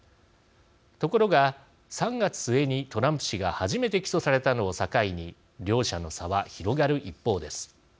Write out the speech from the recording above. ところが、３月末にトランプ氏が初めて起訴されたのを境に両者の差は広がる一方です。